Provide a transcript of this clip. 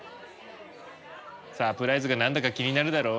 サプライズが何だか気になるだろ？